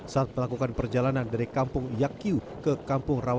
saat melakukan perjalanan dari kampung yakiu ke kampung rawabiru